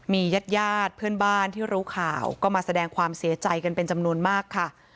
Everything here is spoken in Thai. มีญาติญาติเพื่อนบ้านที่รู้ข่าวก็มาแสดงความเสียใจกันเป็นจำนวนมากค่ะ